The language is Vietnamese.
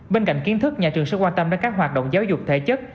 bên cạnh kiến thức nhà trường sẽ quan tâm đến các hoạt động giáo dục thể chất